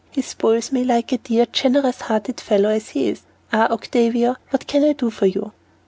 He spoils me, like a dear, generous hearted fellow as he is. Ah, Octavia, what can I do for you?"